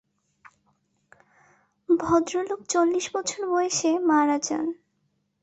ভদ্রলোক চল্লিশ বছর বয়সে মারা যান।